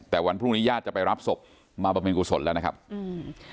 แต่วันพรุ่งนี้ญาติจะไปรับศพมาบำเพ็ญกุศลแล้วนะครับอืม